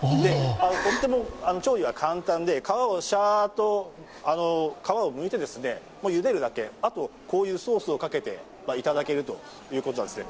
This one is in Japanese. とっても調理は簡単で皮をシャーッとむいてゆでるだけ、あとはこういうソースをかけていただけるということなんですね。